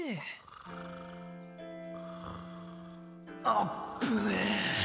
あっぶねぇ！